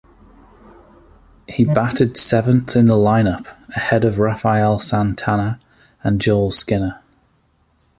He batted seventh in the lineup, ahead of Rafael Santana and Joel Skinner.